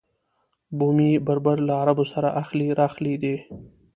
بومي بربر له عربو سره اخښلي راخښلي دي.